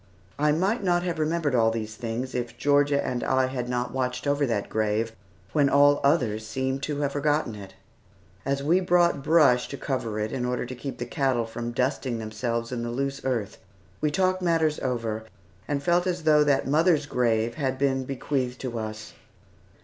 I might not have remembered all these things, if Georgia and I had not watched over that grave, when all others seemed to have forgotten it. As we brought brush to cover it, in order to keep the cattle from dusting themselves in the loose earth, we talked matters over, and felt as though that mother's grave had been bequeathed to us.